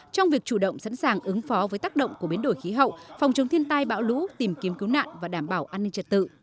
trong việc chủ động sẵn sàng ứng phó với tác động của biến đổi khí hậu phòng chống thiên tai bão lũ tìm kiếm cứu nạn và đảm bảo an ninh trật tự